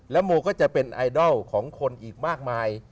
โมก็จะเป็นไอดอลของคนอีกมากมาย